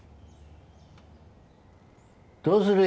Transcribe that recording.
どうするよ？